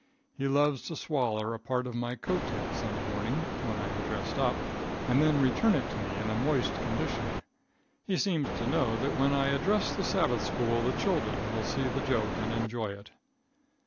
He loves to swaller a part of my coat tail Sunday morning, when I am dressed up, and then return it to me in a moist condition. He seems to know that when I address the sabbath school the children will see the joke and enjoy it.